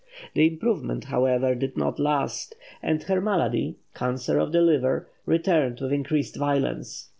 The improvement, however, did not last, and her malady (cancer of the liver) returned with increased violence.